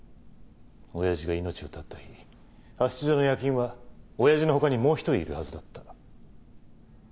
親父が命を絶った日派出所の夜勤は親父の他にもう一人いるはずだった。